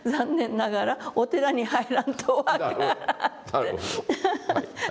なるほど。